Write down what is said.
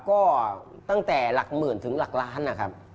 ก็ตั้งแต่หลักหมื่นถึงหลักล้าน